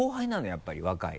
やっぱり若い。